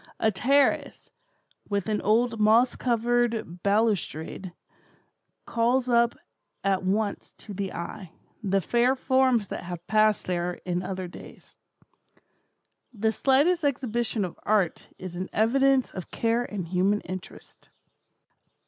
A terrace, with an old moss covered balustrade, calls up at once to the eye, the fair forms that have passed there in other days. The slightest exhibition of art is an evidence of care and human interest."